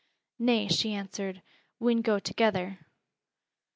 "Nay," she answered, "we'n go together."